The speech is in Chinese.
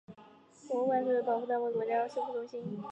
博物馆亦是全国古籍重点保护单位和国家级古籍修复中心。